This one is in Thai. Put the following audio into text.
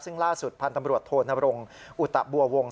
ซึ่งล่าสุดพันธ์ตำรวจโทนบรงอุตบัววงศ